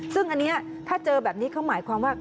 ซึ่งอันนี้ถ้าเจอแบบนี้เขาหมายความว่า